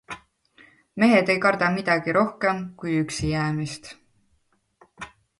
Mehed ei karda midagi rohkem kui üksijäämist.